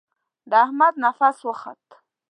د احمد نفس وخوت.